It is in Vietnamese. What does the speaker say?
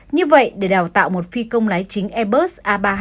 như vậy để đào tạo một phi công lái chính airbus